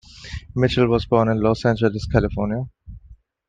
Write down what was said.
Mitchell was born in Los Angeles, California.